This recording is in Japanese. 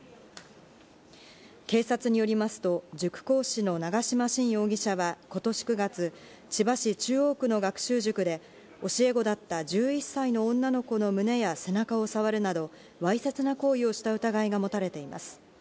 警察によりますと塾講師の長島新容疑者は今年９月、千葉市中央区の学習塾で教え子だった１１歳の女の子の胸や背中をさわるなど、わいせつな行為をした疑いがもたれています。